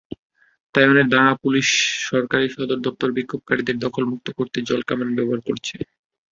তাইওয়ানের দাঙ্গা পুলিশ সরকারি সদর দপ্তর বিক্ষোভকারীদের দখলমুক্ত করতে জলকামান ব্যবহার করেছে।